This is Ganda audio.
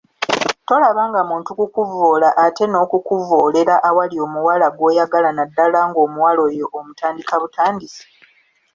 Tolaba nga muntu kukuvvoola ate n’okuvvoolera awali omuwala gw’oyagala naddala ng’omuwala oyo omutandika butandisi!